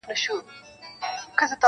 چي پر قام دي خوب راغلی په منتر دی--!